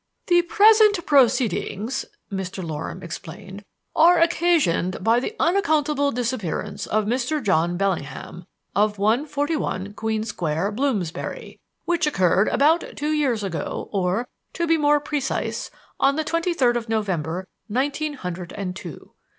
"The present proceedings," Mr. Loram explained, "are occasioned by the unaccountable disappearance of Mr. John Bellingham, of 141, Queen Square, Bloomsbury, which occurred about two years ago, or, to be more precise, on the twenty third of November, nineteen hundred and two.